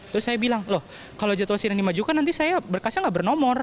terus saya bilang loh kalau jadwal sidang dimajukan nanti saya berkasnya nggak bernomor